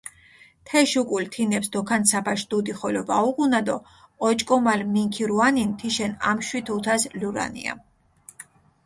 თეშ უკულ თინეფს დოქანცაფაშ დუდი ხოლო ვაუღუნა დო ოჭკომალ მინქირუანინ თიშენ ამშვი თუთას ლურანია.